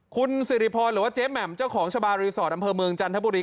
คุณสิริพรหรือว่าเจ๊แหม่มเจ้าของชะบารีสอร์ทอำเภอเมืองจันทบุรี